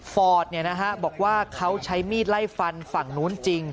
ฟอร์ดบอกว่าเขาใช้มีดไล่ฟันฝั่งนู้นจริง